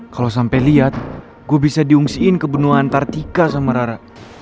kalo sampe liat gue bisa diungsiin ke benua antartika sama rara